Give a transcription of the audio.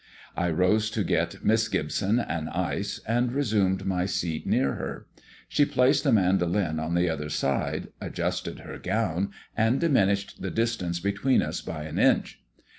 I rose to get Miss Gibson an ice, and resumed my seat near her. She placed the mandolin on the other side, adjusted her gown, and diminished the distance between us by an inch.